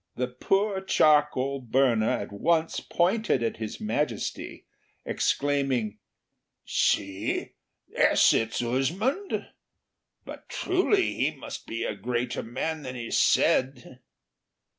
The poor charcoal burner at once pointed at His Majesty, exclaiming, "See, there sits Uzmond, but truly he must be a greater man than he said!"